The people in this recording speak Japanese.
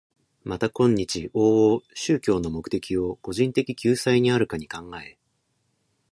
また今日往々宗教の目的を個人的救済にあるかに考え、